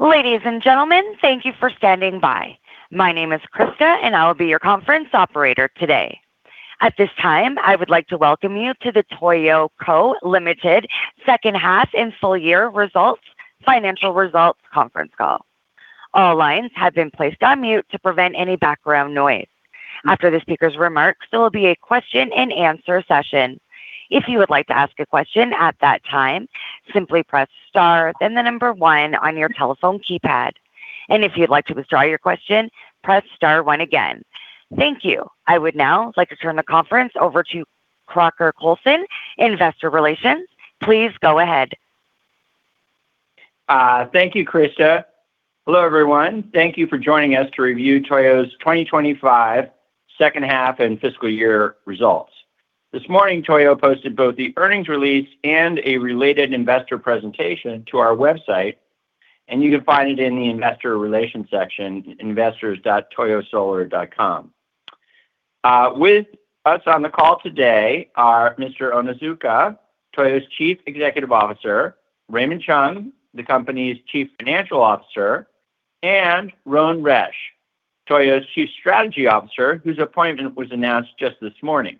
Ladies and gentlemen, thank you for standing by. My name is Krista and I will be your conference operator today. At this time, I would like to welcome you to the TOYO Co., Ltd. second half and full year results, financial results, conference call. All lines have been placed on mute to prevent any background noise. After the speaker's remarks, there will be a question and answer session. If you would like to ask a question at that time, simply press star then the number one on your telephone keypad. If you'd like to withdraw your question, press star one again. Thank you. I would now like to turn the conference over to Crocker Coulson, Investor Relations. Please go ahead. Thank you, Krista. Hello, everyone. Thank you for joining us to review TOYO's 2025 second half and fiscal year results. This morning, TOYO posted both the earnings release and a related investor presentation to our website, and you can find it in the investor relations section, investors.toyo-solar.com. With us on the call today are Mr. Onozuka, TOYO's Chief Executive Officer, Raymond Chung, the company's Chief Financial Officer, and Rhone Resch, TOYO's Chief Strategy Officer, whose appointment was announced just this morning.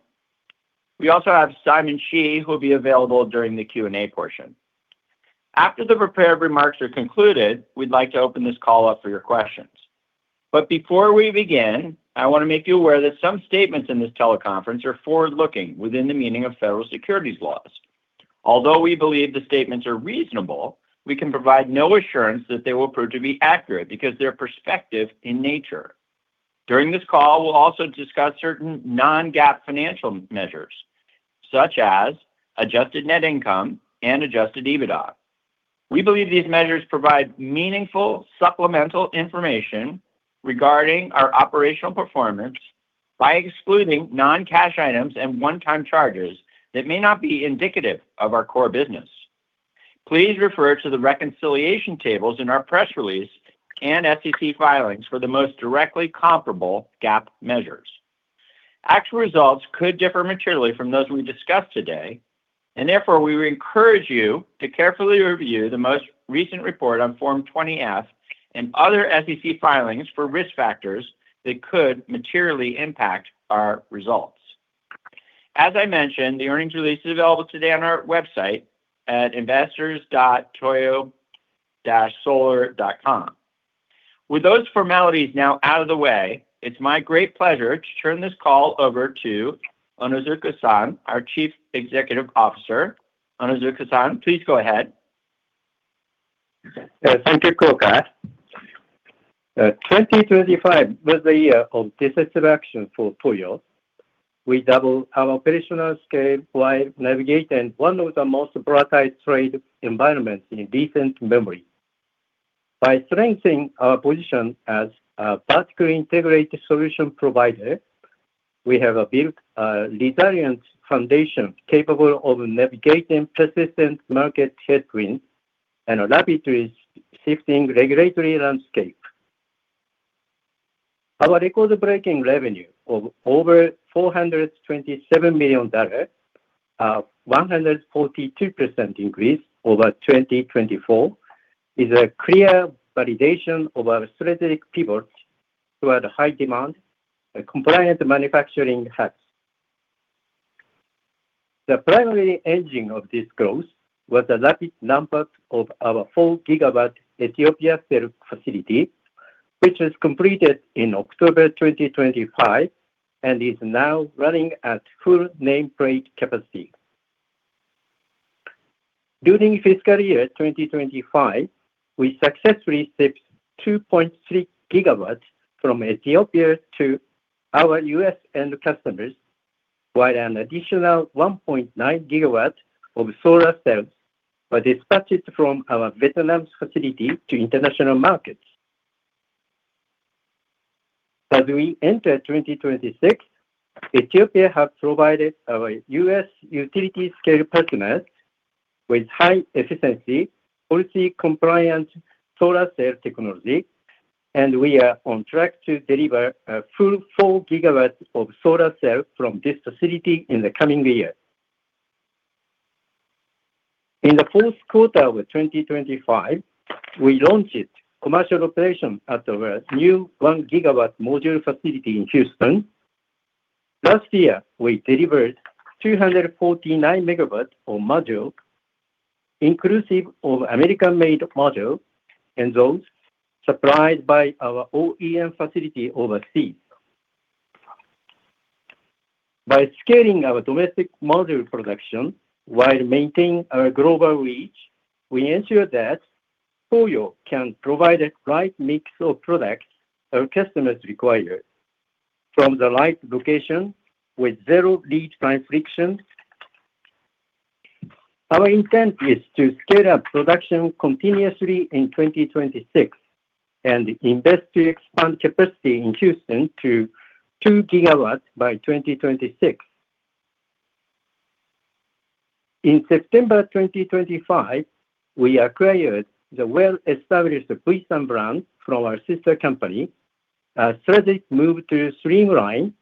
We also have Simon Shi, who will be available during the Q&A portion. After the prepared remarks are concluded, we'd like to open this call up for your questions. Before we begin, I want to make you aware that some statements in this teleconference are forward-looking within the meaning of Federal securities laws. Although we believe the statements are reasonable, we can provide no assurance that they will prove to be accurate because they're perspective in nature. During this call, we'll also discuss certain non-GAAP financial measures, such as adjusted net income and adjusted EBITDA. We believe these measures provide meaningful supplemental information regarding our operational performance by excluding non-cash items and one-time charges that may not be indicative of our core business. Please refer to the reconciliation tables in our press release and SEC filings for the most directly comparable GAAP measures. Actual results could differ materially from those we discuss today, and therefore, we encourage you to carefully review the most recent report on Form 20-F and other SEC filings for risk factors that could materially impact our results. As I mentioned, the earnings release is available today on our website at investors.toyo-solar.com. With those formalities now out of the way, it's my great pleasure to turn this call over to Onozuka-san, our Chief Executive Officer. Onozuka-san, please go ahead. Thank you, Crocker. 2025 was the year of decisive action for TOYO. We doubled our operational scale while navigating one of the most volatile trade environments in recent memory. By strengthening our position as a vertically integrated solution provider, we have built a resilient foundation capable of navigating persistent market headwinds and adapt to the shifting regulatory landscape. Our record-breaking revenue of over $427 million, a 142% increase over 2024, is a clear validation of our strategic pivot toward high demand and compliant manufacturing hubs. The primary engine of this growth was the rapid ramp-up of our 4-GW Ethiopia cell facility, which was completed in October 2025 and is now running at full nameplate capacity. During fiscal year 2025, we successfully shipped 2.3 GW from Ethiopia to our U.S. end customers, while an additional 1.9 GW of solar cells were dispatched from our Vietnam facility to international markets. As we enter 2026, Ethiopia has provided our U.S. utility-scale partners with high efficiency, policy compliant solar cell technology, and we are on track to deliver a full 4 GW of solar cells from this facility in the coming year. In the fourth quarter of 2025, we launched commercial operation at our new 1 GW module facility in Houston. Last year, we delivered 249 megawatts of modules inclusive of American-made modules and those supplied by our OEM facility overseas. By scaling our domestic module production while maintaining our global reach, we ensure that TOYO can provide the right mix of products our customers require from the right location with zero lead time friction. Our intent is to scale up production continuously in 2026 and invest to expand capacity in Houston to 2 GW by 2026. In September 2025, we acquired the well-established BridgeSun brand from our sister company. A strategic move to streamline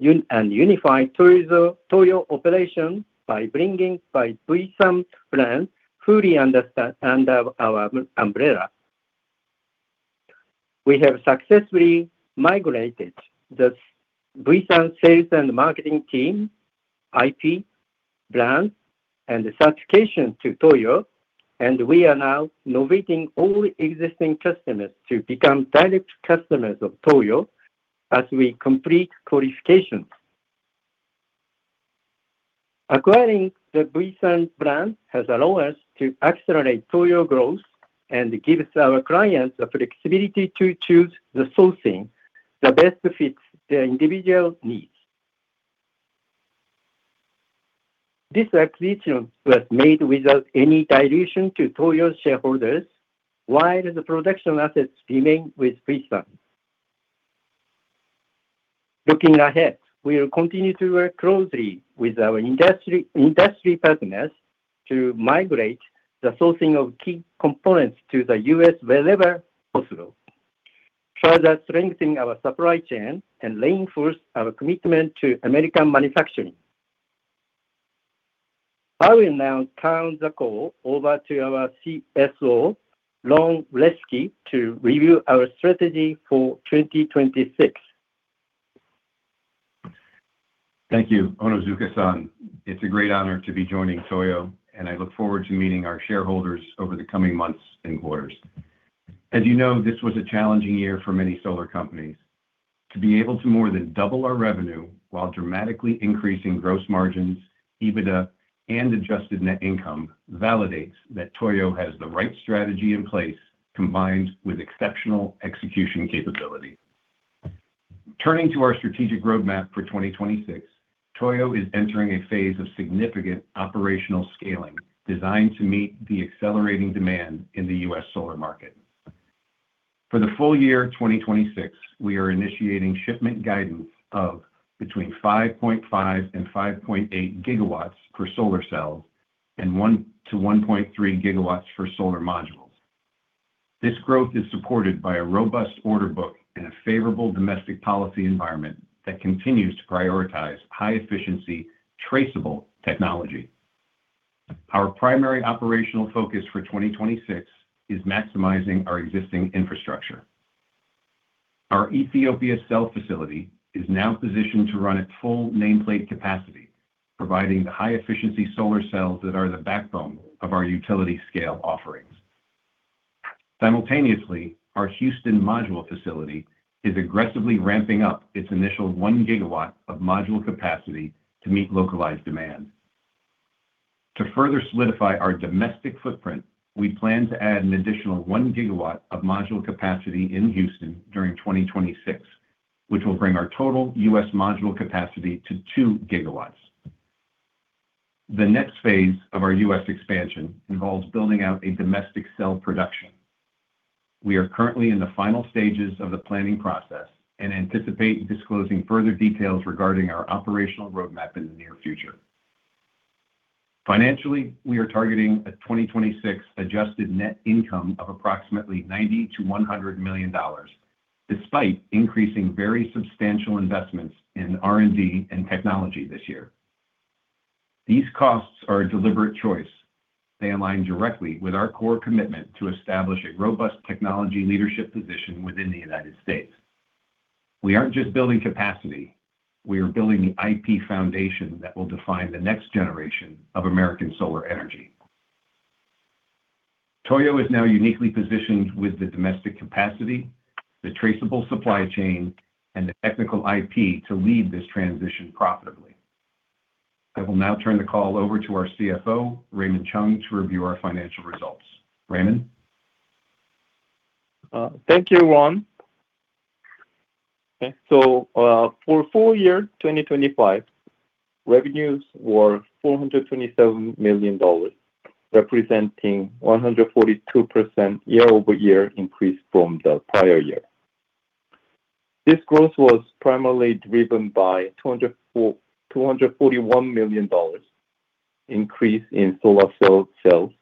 and unify TOYO operations by bringing the VSUN brand fully under our umbrella. We have successfully migrated the VSUN sales and marketing team, IP, brands, and certification to TOYO, and we are now migrating all existing customers to become direct customers of TOYO as we complete qualification. Acquiring the VSUN brand has allowed us to accelerate TOYO growth and gives our clients the flexibility to choose the sourcing that best fits their individual needs. This acquisition was made without any dilution to TOYO shareholders, while the production assets remain with VSUN. Looking ahead, we will continue to work closely with our industry partners to migrate the sourcing of key components to the U.S. wherever possible, further strengthening our supply chain and reinforcing our commitment to American manufacturing. I will now turn the call over to our CFO, Rhone Resch, to review our strategy for 2026. Thank you, Onozuka-san. It's a great honor to be joining TOYO, and I look forward to meeting our shareholders over the coming months and quarters. As you know, this was a challenging year for many solar companies. To be able to more than double our revenue while dramatically increasing gross margins, EBITDA, and adjusted net income validates that TOYO has the right strategy in place, combined with exceptional execution capability. Turning to our strategic roadmap for 2026, TOYO is entering a phase of significant operational scaling, designed to meet the accelerating demand in the U.S. solar market. For the full year 2026, we are initiating shipment guidance of between 5.5 and 5.8 GW for solar cells and 1 to 1.3 GW for solar modules. This growth is supported by a robust order book and a favorable domestic policy environment that continues to prioritize high-efficiency, traceable technology. Our primary operational focus for 2026 is maximizing our existing infrastructure. Our Ethiopia cell facility is now positioned to run at full nameplate capacity, providing the high-efficiency solar cells that are the backbone of our utility-scale offerings. Simultaneously, our Houston module facility is aggressively ramping up its initial 1 GW of module capacity to meet localized demand. To further solidify our domestic footprint, we plan to add an additional 1 GW of module capacity in Houston during 2026, which will bring our total U.S. module capacity to 2 GW. The next phase of our U.S. expansion involves building out a domestic cell production. We are currently in the final stages of the planning process and anticipate disclosing further details regarding our operational roadmap in the near future. Financially, we are targeting a 2026 adjusted net income of approximately $90 million-$100 million, despite increasing very substantial investments in R&D and technology this year. These costs are a deliberate choice. They align directly with our core commitment to establish a robust technology leadership position within the United States. We aren't just building capacity. We are building the IP foundation that will define the next generation of American solar energy. TOYO is now uniquely positioned with the domestic capacity, the traceable supply chain, and the technical IP to lead this transition profitably. I will now turn the call over to our CFO, Raymond Chung, to review our financial results. Raymond. Thank you, Rhone. Okay. For full year 2025, revenues were $427 million, representing 142% year-over-year increase from the prior year. This growth was primarily driven by $241 million increase in solar cell sales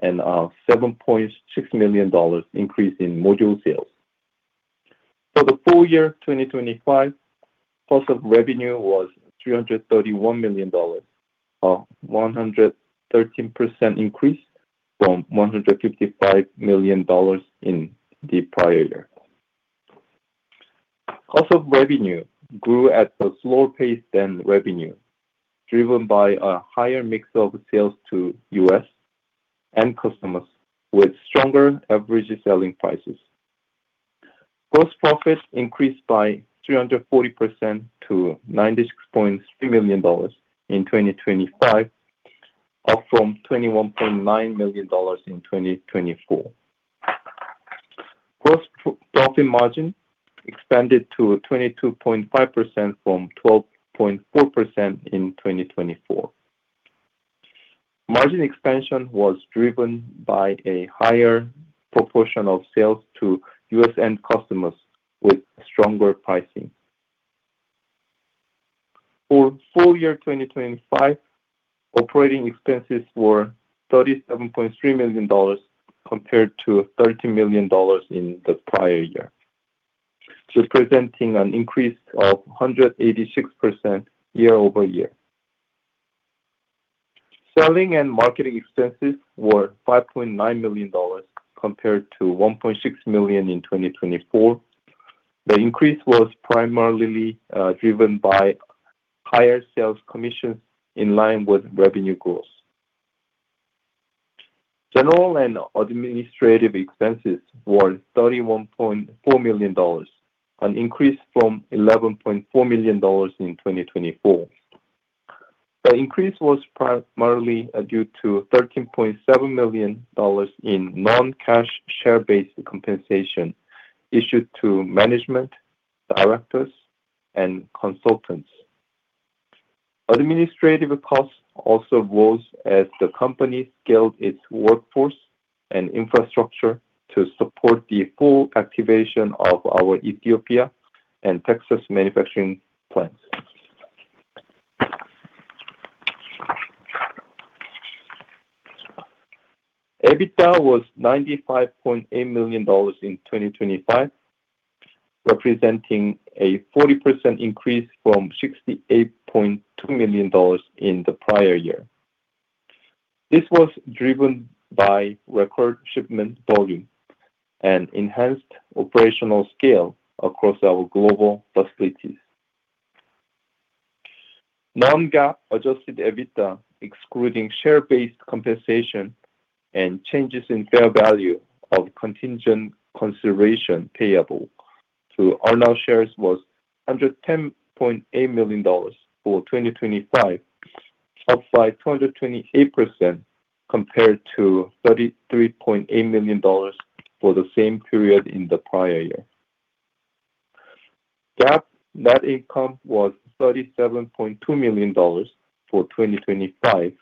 and a $7.6 million increase in module sales. For the full year 2025, cost of revenue was $331 million, a 113% increase from $155 million in the prior year. Cost of revenue grew at a slower pace than revenue, driven by a higher mix of sales to U.S. end customers with stronger average selling prices. Gross profit increased by 340% to $96.3 million in 2025, up from $21.9 million in 2024. Gross profit margin expanded to 22.5% from 12.4% in 2024. Margin expansion was driven by a higher proportion of sales to U.S. end customers with stronger pricing. For full year 2025, operating expenses were $37.3 million compared to $13 million in the prior year, representing an increase of 186% year over year. Selling and marketing expenses were $5.9 million compared to $1.6 million in 2024. The increase was primarily driven by higher sales commissions in line with revenue growth. General and administrative expenses were $31.4 million, an increase from $11.4 million in 2024. The increase was primarily due to $13.7 million in non-cash share-based compensation issued to management, directors and consultants. Administrative costs also rose as the company scaled its workforce and infrastructure to support the full activation of our Ethiopia and Texas manufacturing plants. EBITDA was $95.8 million in 2025, representing a 40% increase from $68.2 million in the prior year. This was driven by record shipment volume and enhanced operational scale across our global facilities. Non-GAAP adjusted EBITDA, excluding share-based compensation and changes in fair value of contingent consideration payable to earn-out shares, was $110.8 million for 2025, up by 228% compared to $33.8 million for the same period in the prior year. GAAP net income was $37.2 million for 2025,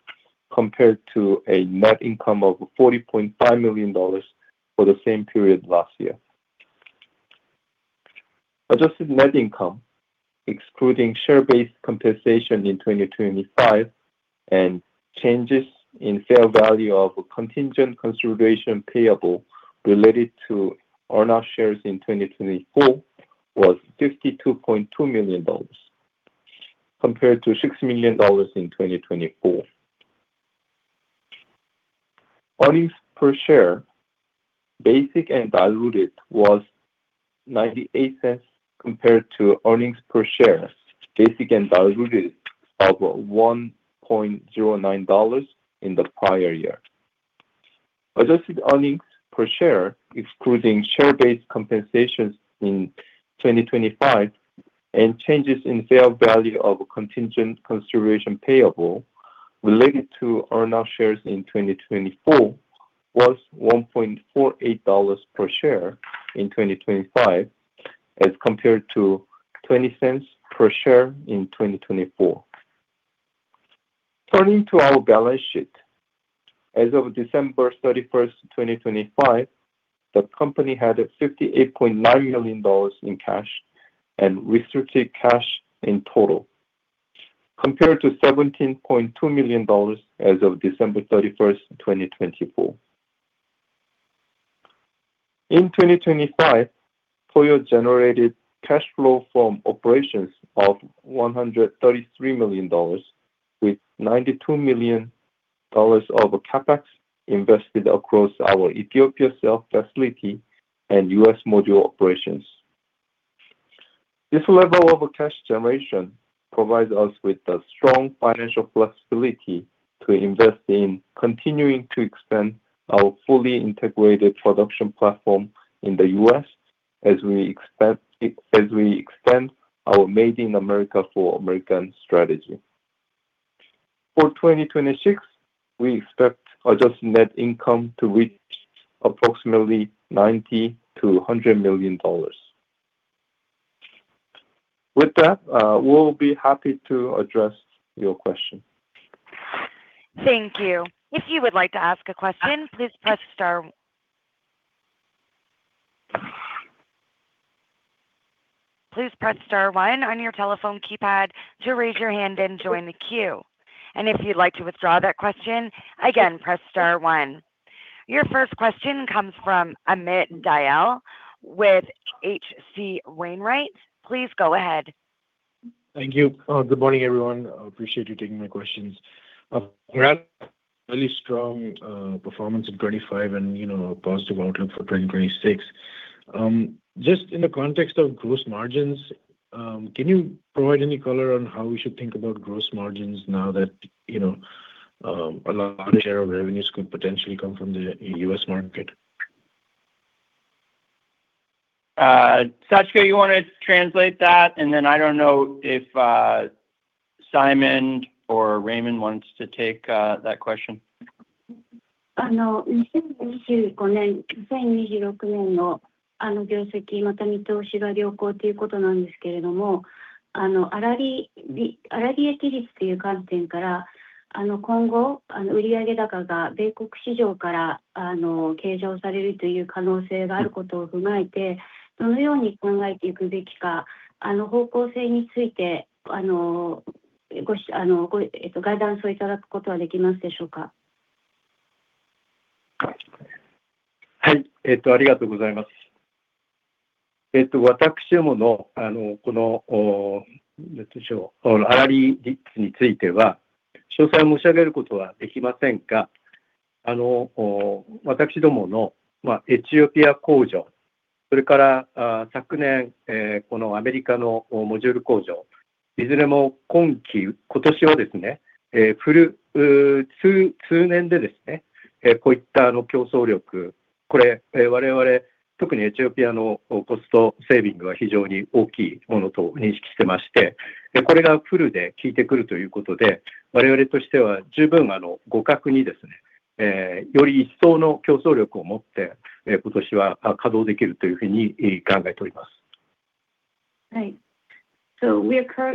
compared to a net income of $40.5 million for the same period last year. Adjusted net income, excluding share-based compensation in 2025 and changes in fair value of contingent consideration payable related to earn-out shares in 2024, was $52.2 million, compared to $6 million in 2024. Earnings per share, basic and diluted, was $0.98, compared to earnings per share, basic and diluted, of $1.09 in the prior year. Adjusted earnings per share, excluding share-based compensations in 2025 and changes in fair value of contingent consideration payable related to earn-out shares in 2024, was $1.48 per share in 2025 as compared to $0.20 per share in 2024. Turning to our balance sheet. As of December 31, 2025, the company had $58.9 million in cash and restricted cash in total, compared to $17.2 million as of December 31, 2024. In 2025, TOYO generated cash flow from operations of $133 million, with $92 million of CapEx invested across our Ethiopia cell facility and U.S. module operations. This level of cash generation provides us with a strong financial flexibility to invest in continuing to expand our fully integrated production platform in the U.S. as we expand our Made in America for Americans strategy. For 2026, we expect adjusted net income to reach approximately $90-$100 million. With that, we'll be happy to address your question. Thank you. If you would like to ask a question, please press star one on your telephone keypad to raise your hand and join the queue. If you'd like to withdraw that question, again, press star one. Your first question comes from Amit Dayal with H.C. Wainwright. Please go ahead. Thank you. Good morning, everyone. I appreciate you taking my questions. A really strong performance in 2025 and, you know, a positive outlook for 2026. Just in the context of gross margins, can you provide any color on how we should think about gross margins now that, you know, a lot of share of revenues could potentially come from the U.S. market? Satoshi, you want to translate that? I don't know if Simon or Raymond wants to take that question. We are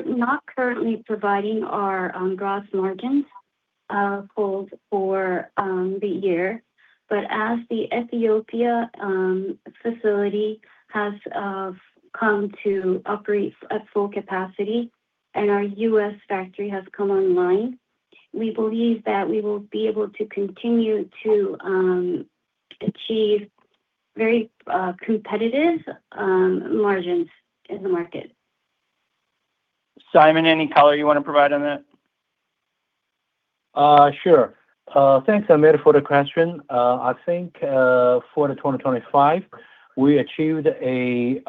not currently providing our gross margins provided for the year. As the Ethiopia facility has come to operate at full capacity and our U.S. factory has come online, we believe that we will be able to continue to achieve very competitive margins in the market. Simon, any color you want to provide on that? Sure. Thanks, Amit, for the question. I think, for 2025, we achieved a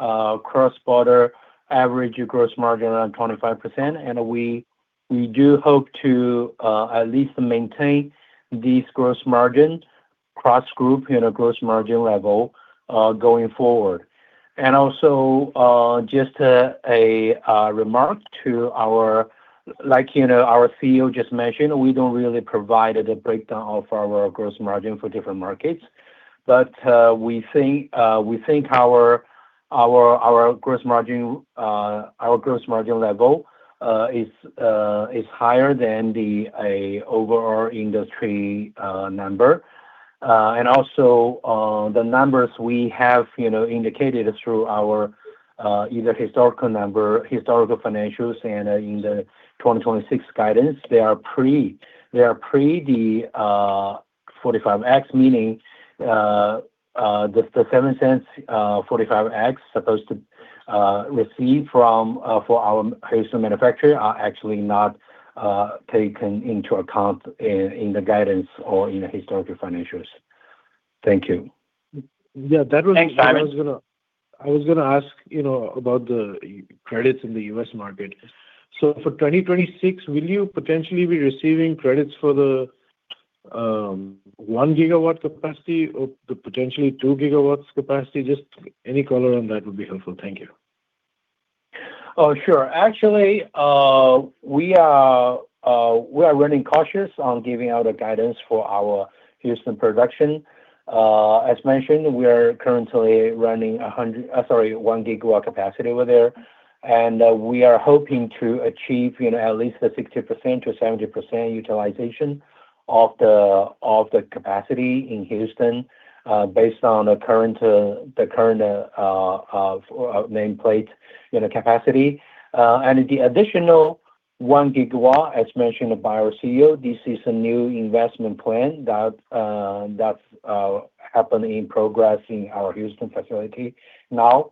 cross-border average gross margin around 25%, and we do hope to at least maintain this gross margin, cross-group, you know, gross margin level going forward. Also, just a remark to our like, you know, our CEO just mentioned, we don't really provide the breakdown of our gross margin for different markets. We think our gross margin level is higher than the overall industry number. The numbers we have, you know, indicated through our either historical numbers, historical financials and in the 2026 guidance, they are pre the 45X, meaning the $0.07 45X supposed to receive for our Houston manufacturer are actually not taken into account in the guidance or in the historical financials. Thank you. Yeah, that was. Thanks, Simon. I was gonna ask, you know, about the credits in the U.S. market. For 2026, will you potentially be receiving credits for the 1 GW capacity or the potentially 2 GW capacity? Just any color on that would be helpful. Thank you. Oh, sure. Actually, we are being cautious on giving out a guidance for our Houston production. As mentioned, we are currently running 1 GW capacity over there. We are hoping to achieve, you know, at least a 60%-70% utilization of the capacity in Houston, based on the current nameplate, you know, capacity. The additional 1 GW, as mentioned by our CEO, this is a new investment plan that's happening in progress in our Houston facility. Now,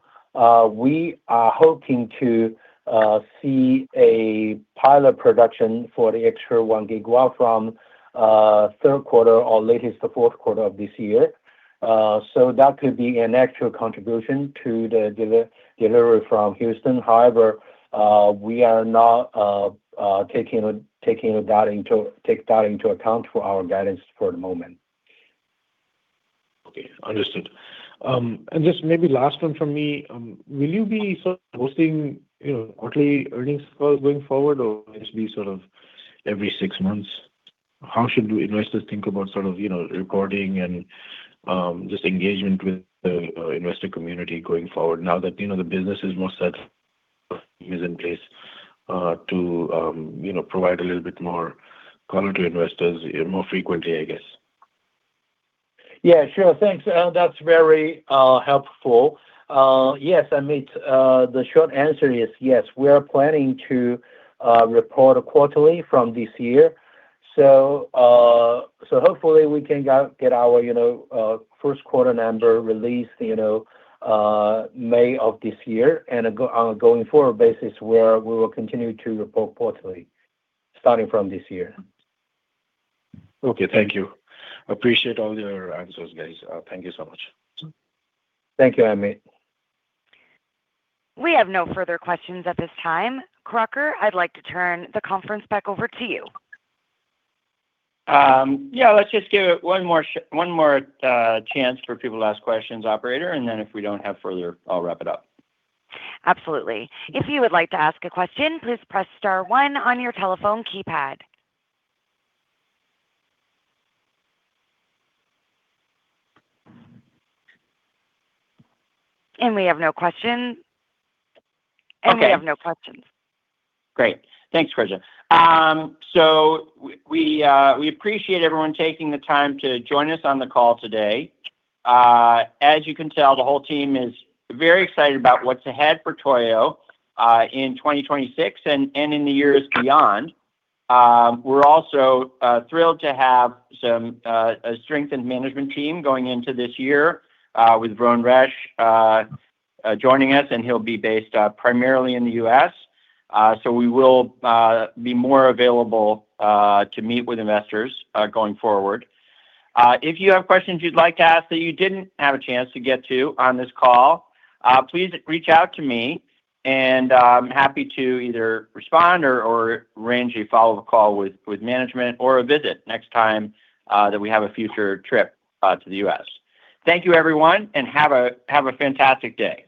we are hoping to see a pilot production for the extra 1 GW from third quarter or at latest the fourth quarter of this year. So that could be an actual contribution to the delivery from Houston. However, we are not taking that into account for our guidance for the moment. Okay. Understood. Just maybe last one from me. Will you be sort of hosting, you know, quarterly earnings calls going forward or just be sort of every six months? How should investors think about sort of, you know, recording and just engagement with the investor community going forward now that, you know, the business is more set in place to, you know, provide a little bit more color to investors more frequently, I guess? Yeah, sure. Thanks. That's very helpful. Yes, Amit, the short answer is yes. We are planning to report quarterly from this year. Hopefully we can get our first quarter number released, you know, May of this year and going forward, on a going-forward basis where we will continue to report quarterly starting from this year. Okay. Thank you. Appreciate all your answers, guys. Thank you so much. Thank you, Amit. We have no further questions at this time. Crocker, I'd like to turn the conference back over to you. Yeah, let's just give it one more chance for people to ask questions, operator, and then if we don't have further, I'll wrap it up. Absolutely. If you would like to ask a question, please press star one on your telephone keypad. We have no questions. Okay. We have no questions. Great. Thanks, Krista. We appreciate everyone taking the time to join us on the call today. As you can tell, the whole team is very excited about what's ahead for TOYO in 2026 and in the years beyond. We're also thrilled to have a strengthened management team going into this year with Rhone Resch joining us, and he'll be based primarily in the U.S. We will be more available to meet with investors going forward. If you have questions you'd like to ask that you didn't have a chance to get to on this call, please reach out to me and I'm happy to either respond or arrange a follow-up call with management or a visit next time that we have a future trip to the U.S. Thank you everyone, and have a fantastic day.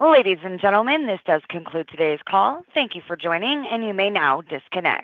Ladies and gentlemen, this does conclude today's call. Thank you for joining, and you may now disconnect.